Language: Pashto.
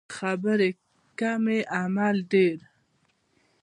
خبرې کمې عمل ډیر